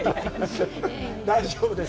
大丈夫です！